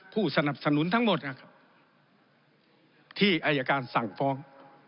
ผู้สนับสนุนทั้งหมดที่อคส่งฟ้อง